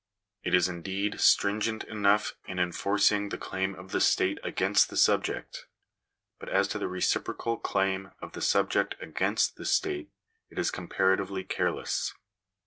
It is indeed stringent enough in enforc ing the claim of the state against the subject ; but as to the reciprocal claim of the subject against the state it is compara tively careless.